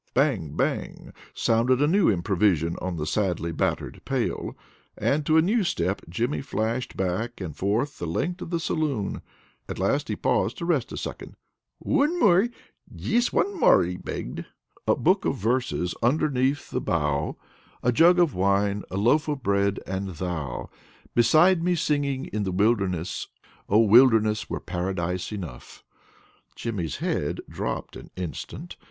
Bang! Bang! sounded a new improvision on the sadly battered pail, and to a new step Jimmy flashed back and forth the length of the saloon. At last he paused to rest a second. "One more! Just one more!" he begged. "A Book of Verses underneath the Bough, A jug of wine, a Loaf of Bread and Thou Beside me singing in the Wilderness. Oh, wilderness were Paradise enough!" Jimmy's head dropped an instant.